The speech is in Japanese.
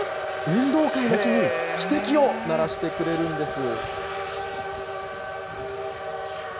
運動会の日に、汽笛を鳴らしてくれるんです。